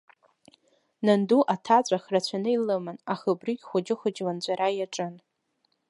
Нанду аҭаҵәах рацәаны илыман, аха убрыгь хәыҷы-хәыҷла анҵәара иаҿын.